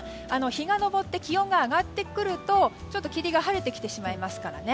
日が昇って気温が上がってくるとちょっと霧が晴れてきてしまいますからね。